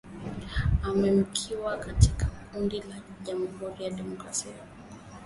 anaaminika kurudi jamhuri ya kidemokrasia ya Kongo